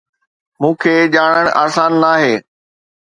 مون کي ڄاڻڻ آسان ناهي